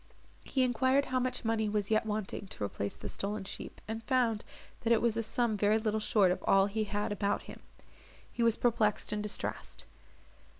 He enquired how much money was yet wanting to replace the stolen sheep, and found, that it was a sum very little short of all he had about him. He was perplexed and distressed.